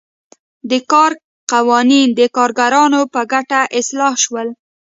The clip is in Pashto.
د کار قوانین د کارګرانو په ګټه اصلاح شول.